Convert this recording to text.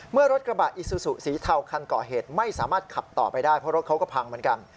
เมื่อรถกระบะอิซูซูสีเทาคันก่อเหตุไม่สามารถขับต่อไปได้เพราะรถเขาก็พังเหมือนกัน